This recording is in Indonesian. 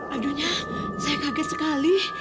adunya saya kaget sekali